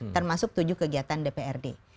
termasuk tujuh kegiatan dprd